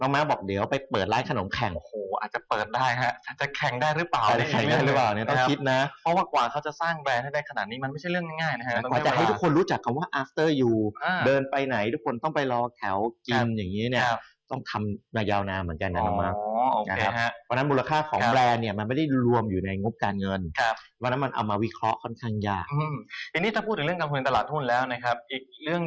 มั้ยบอกเดี๋ยวไปเปิดรายขนมแข่งอาจเปิดได้ฮะจะแข่งได้รึ